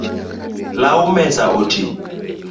Law mesa oti